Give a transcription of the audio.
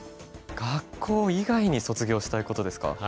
学校以外に卒業したいことですか。